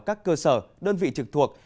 các cơ sở đơn vị trực thuộc